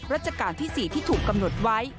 ราชการที่๔ที่ถูกกำหนดไว้